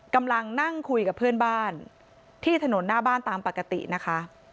กำลังนั่งคุยกับเพื่อนบ้านที่ถนนหน้าบ้านตามปกตินะคะ